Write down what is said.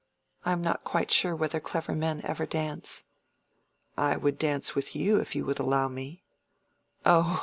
I am not quite sure whether clever men ever dance." "I would dance with you if you would allow me." "Oh!"